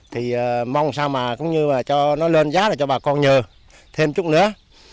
thì mong sao mà cũng như là cho nó lên giá là cho bà con nhờ thêm chút nữa